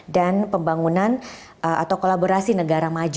dan pembangunan atau kolaborasi negara